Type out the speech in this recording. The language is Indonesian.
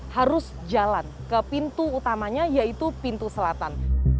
harus jalan ke pintu utamanya yaitu pintu selatan